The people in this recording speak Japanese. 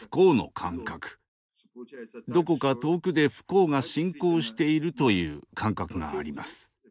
どこか遠くで不幸が進行しているという感覚があります。